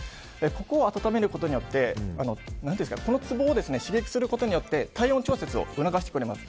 ここを温めることによってこのツボを刺激することによって体温調整を促してくれます。